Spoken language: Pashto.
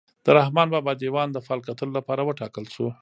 د رحمان بابا دیوان د فال کتلو لپاره وټاکل شو.